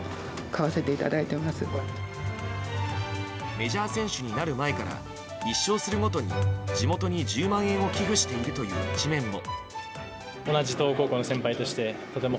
メジャー選手になる前から１勝するごとに地元に１０万円を寄付しているという一面も。